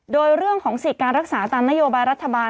โดยเรื่องของสิทธิ์การรักษาตามนโยบายรัฐบาล